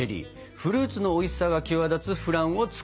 フルーツのおいしさが際立つフランを作ります！